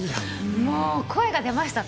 もう声が出ましたね。